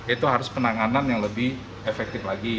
itu harus penanganan yang lebih efektif lagi